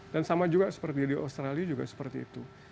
dan sama juga seperti di australia juga seperti itu